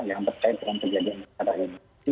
yang berkait dengan kejadian tersebut